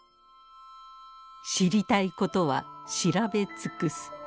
知りたいことは調べ尽くす。